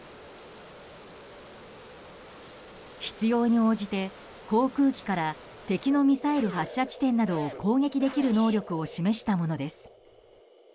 必要に応じて、航空機から敵のミサイル発射地点などを攻撃できる能力を示したものです。